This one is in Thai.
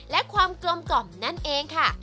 และความกลมกล่อมนั่นเองค่ะ